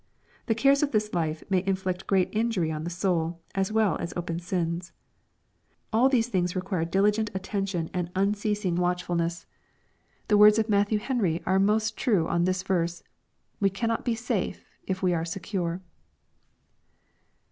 The " cares of this life" may inflict great injury on the soul, as well as open sins.— AI these things require diligent attention and unceasing watchfiil< LUKE, CHAP. XXII. 387 ness. The words of Matthew Heniy are most true on this verse, " We cannot be safe, if we are secure."